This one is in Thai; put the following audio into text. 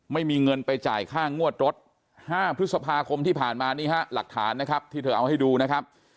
ไม่มีเงินไปจ่ายค่างวดรถ๕พฤษภาคมที่ผ่านมานี่ฮะหลักฐานนะครับที่เธอเอาให้ดูนะครับ